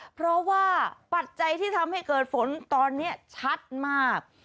เพราะว่าปัจจัยที่ทำให้เกิดฝนตอนนี้ชัดมาก